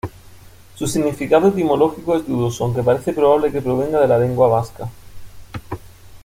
Su significado etimológico es dudoso aunque parece probable que provenga de la lengua vasca.